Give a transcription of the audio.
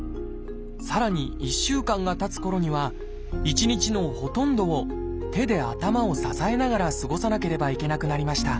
さらに１週間がたつころには１日のほとんどを手で頭を支えながら過ごさなければいけなくなりました